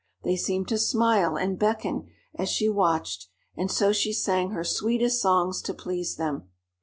They seemed to smile and beckon as she watched, and so she sang her sweetest songs to please them.